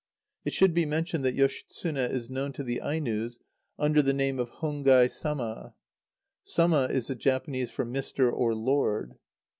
It should be mentioned that Yoshitsune is known to the Ainos under the name of Hongai Sama. Sama is the Japanese for "Mr." or "Lord."